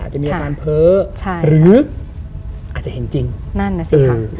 จะมีอาการเพ้อใช่หรืออาจจะเห็นจริงนั่นน่ะสิค่ะ